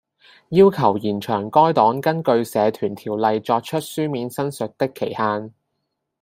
要求延長該黨根據《社團條例》作出書面申述的期限